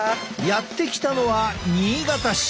やって来たのは新潟市。